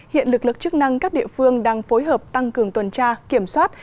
hiện lực lượng chức năng các địa phương đang phối hợp tăng cường tuần tra kiểm soát